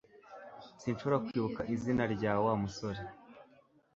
Sinshobora kwibuka izina rya Wa musore